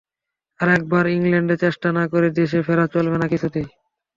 আর একবার ইংলণ্ডে চেষ্টা না করে দেশে ফেরা চলবে না কিছুতেই।